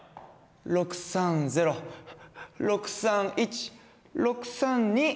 ６３０６３１６３２！